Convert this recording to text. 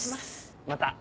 また！